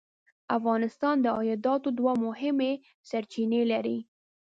افغانستان د عایداتو دوه مهمې سرچینې لري.